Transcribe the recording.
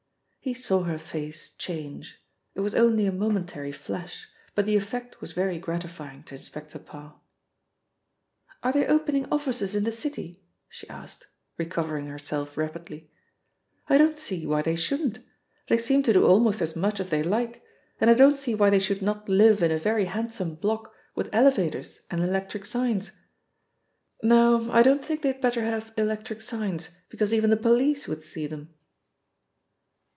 He saw her face change; it was only a momentary flash, but the effect was very gratifying to Inspector Parr. "Are they opening offices in the city?" she asked, recovering herself rapidly. "I don't see why they shouldn't. They seem to do almost as much as they like, and I don't see why they should not live in a very handsome block with elevators and electric signs no, I don't think they'd better have electric signs, because even the police would see them!"